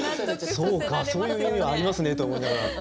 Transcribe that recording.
そうかそういう意味もありますねと思いながら。